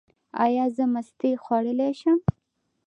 ایا زه مستې خوړلی شم؟